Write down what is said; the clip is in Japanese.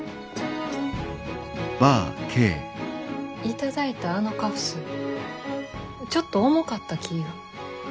頂いたあのカフスちょっと重かった気が。